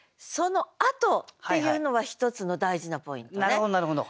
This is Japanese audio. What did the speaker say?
なるほどなるほど。